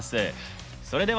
それでは。